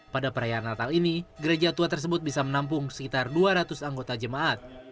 pada perayaan natal ini gereja tua tersebut bisa menampung sekitar dua ratus anggota jemaat